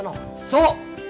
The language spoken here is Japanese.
そう。